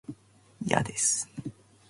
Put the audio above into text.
醤油をとってください